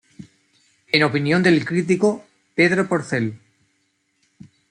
En opinión del crítico Pedro Porcel